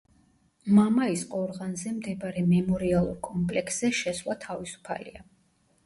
მამაის ყორღანზე მდებარე მემორიალურ კომპლექსზე შესვლა თავისუფალია.